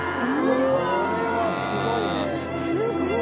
これはすごいね。